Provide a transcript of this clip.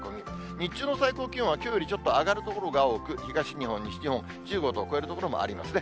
日中の最高気温はきょうよりちょっと上がる所が多く、東日本、西日本、１５度を超える所もありますね。